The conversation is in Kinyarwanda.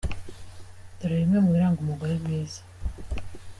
Dore bimwe mu biranga umugore mwiza :